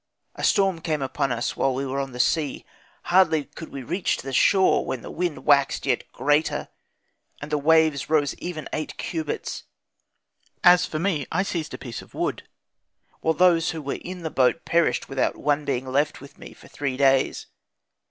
A storm came upon us while we were on the sea. Hardly could we reach to the shore when the wind waxed yet greater, and the waves rose even eight cubits. As for me, I seized a piece of wood, while those who were in the boat perished without one being left with me for three days.